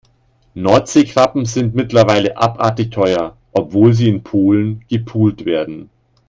Nordseekrabben sind mittlerweile abartig teuer, obwohl sie in Polen gepult werden.